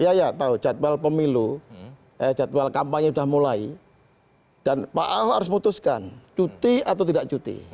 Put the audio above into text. ya ya tahu jadwal pemilu jadwal kampanye sudah mulai dan pak ahok harus memutuskan cuti atau tidak cuti